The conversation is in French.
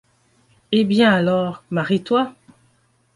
Eh bien, alors, marie-toi.